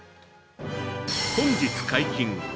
本日解禁！